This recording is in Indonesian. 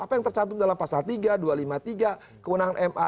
apa yang tercantum dalam pasal tiga dua ratus lima puluh tiga kewenangan ma